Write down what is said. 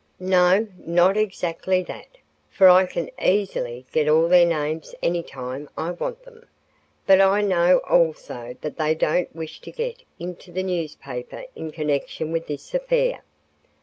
"No, not exactly that, for I can easily get all their names any time I want them. But I know also that they don't wish to get into the newspapers in connection with this affair."